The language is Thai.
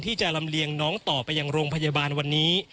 ที่จะลำเลียงน้องต่อไปยังโรงพยาบาลวันนี้